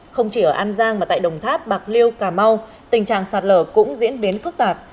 không chỉ ở an giang mà tại đồng tháp bạc liêu cà mau tình trạng sạt lở cũng diễn biến phức tạp